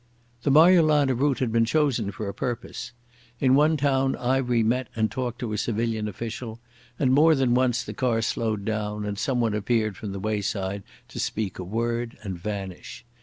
The Marjolana route had been chosen for a purpose. In one town Ivery met and talked to a civilian official, and more than once the car slowed down and someone appeared from the wayside to speak a word and vanish.